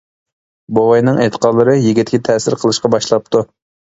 بوۋاينىڭ ئېيتقانلىرى يىگىتكە تەسىر قىلىشقا باشلاپتۇ.